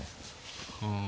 うん。